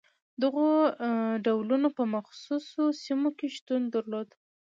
دغو ډولونه په مخصوصو سیمو کې شتون درلود.